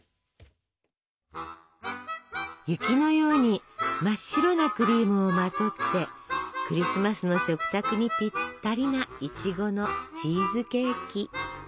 雪のように真っ白なクリームをまとってクリスマスの食卓にぴったりないちごのチーズケーキ。